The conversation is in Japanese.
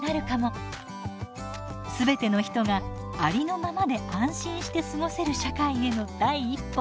全ての人がありのままで安心して過ごせる社会への第一歩。